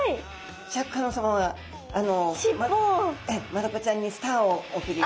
マダコちゃんにスターをおくり。